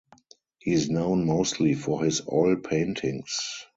He is known mostly for his oil paintings.